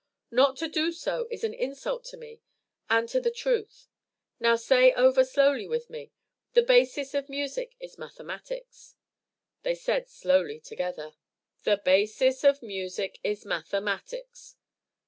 Not to do so is an insult to me and to the truth. Now say over slowly with me: 'The basis of music is mathematics.'" They said slowly together: "The basis of music is mathematics."